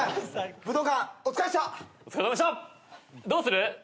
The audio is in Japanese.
どうする？